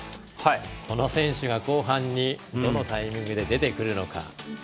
この選手が後半にどのタイミングで出てくるのか。